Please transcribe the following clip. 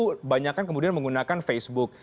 kemudian banyak yang menggunakan facebook